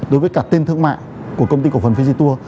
đối với cả tên thương mại của công ty cổ phần figitu